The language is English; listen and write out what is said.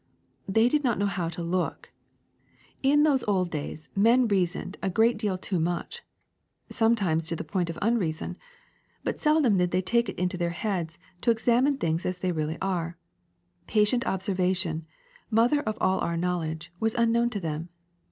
'' *^They did not know how to look. In those old 224 FLIES 225 days men reasoned a great deal too much, sometimes to the point of unreason; but seldom did they take it into their heads to examine things as they really are. Patient observation, mother of all our knowl edge, was unknown to them.